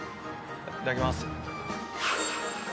いただきます。